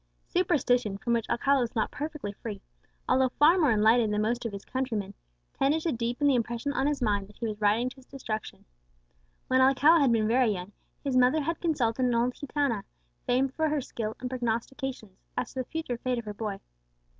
Superstition, from which Alcala was not perfectly free, although far more enlightened than most of his countrymen, tended to deepen the impression on his mind that he was riding to his destruction. When Alcala had been very young, his mother had consulted an old Gitana, famed for her skill in prognostications, as to the future fate of her boy.